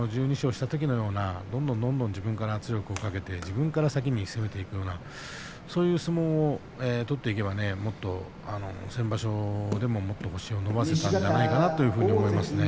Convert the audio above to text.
したときのようにどんどん自分から圧力をかけて自分から攻めていくそういう相撲を取っていけば先場所ももっと星を伸ばせたんじゃないかと思うんですね。